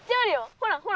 ほらほら。